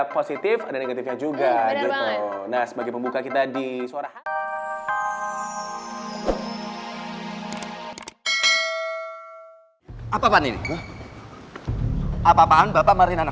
positif dan negatifnya juga gitu nah sebagai pembuka kita di suara apa apaan bapak marina